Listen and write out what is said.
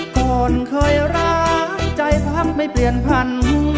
ก่อนเคยรักใจพักไม่เปลี่ยนพัน